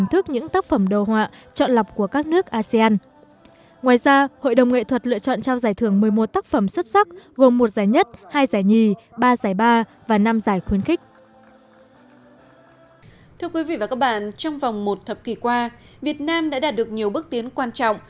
thưa quý vị và các bạn trong vòng một thập kỷ qua việt nam đã đạt được nhiều bước tiến quan trọng